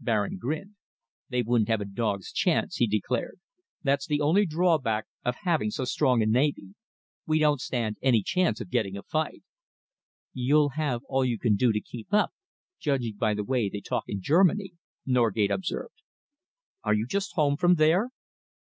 Baring grinned. "They wouldn't have a dog's chance," he declared. "That's the only drawback of having so strong a navy. We don't stand any chance of getting a fight." "You'll have all you can do to keep up, judging by the way they talk in Germany," Norgate observed. "Are you just home from there?"